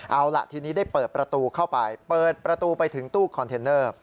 เอาล่ะทีนี้ได้เปิดประตูเข้าไปเปิดประตูไปถึงตู้คอนเทนเนอร์